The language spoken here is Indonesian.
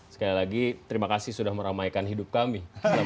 sekali lagi terima kasih sudah meramaikan hidup kami